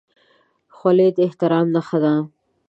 خولۍ د احترام نښه ده.